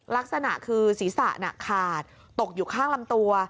ลักษณะคือศีรษะขาดตกอยู่ข้างลำตัว